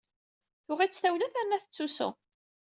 Tuɣ-itt tawla terna tettusu.